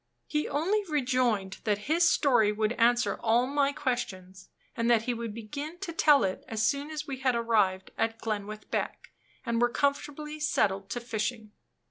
He only rejoined that his story would answer all my questions; and that he would begin to tell it as soon as we had arrived at Glenwith Beck, and were comfortably settled to fishing.